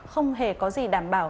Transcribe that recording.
không hề có gì đảm bảo